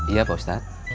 iya pak ustadz